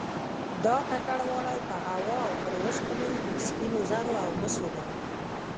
دا ککړوالی په هوا او پر اوسپنې، سپینو زرو او مسو دی